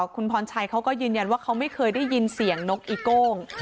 คุณพรชัยเขาก็ยืนยันว่าเขาไม่เคยได้ยินเสียงนกอีโก้ง